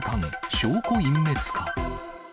証拠隠滅か。